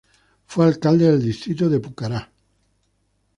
Fue Alcalde del Distrito de Pucará.